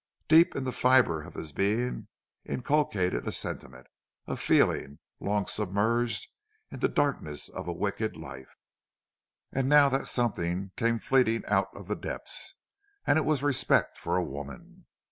Deep in the fiber of his being inculcated a sentiment, a feeling, long submerged in the darkness of a wicked life, and now that something came fleeting out of the depths and it was respect for a woman.